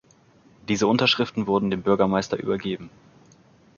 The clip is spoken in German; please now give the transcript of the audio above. Diese Unterschriften wurden dem Bürgermeister übergeben.